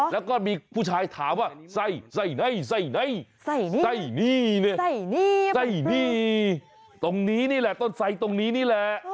เราก็มีผู้ชายถามว่าไสไสไนตรงนี้นี่แหละ